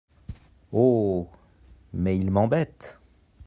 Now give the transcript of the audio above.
Oh ! mais, il m’embête…